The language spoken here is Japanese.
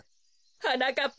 はなかっ